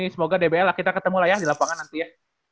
semoga dbl lah kita ketemu lah ya di lapangan nanti ya